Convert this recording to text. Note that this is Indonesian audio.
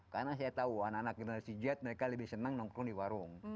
karena saya tahu anak anak generasi z mereka lebih senang nongkrong di warung